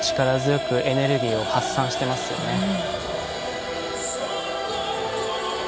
力強くエネルギーを発散させていますよね。